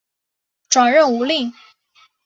转任吴令。